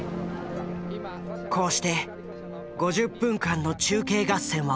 こうして５０分間の中継合戦は終わった。